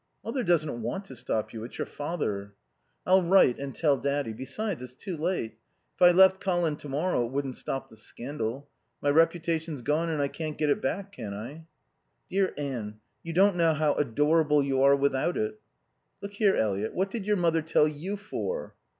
"Mother doesn't want to stop you. It's your father." "I'll write and tell Daddy. Besides, it's too late. If I left Colin to morrow it wouldn't stop the scandal. My reputation's gone and I can't get it back, can I?" "Dear Anne, you don't know how adorable you are without it." "Look here, Eliot, what did your mother tell you for?"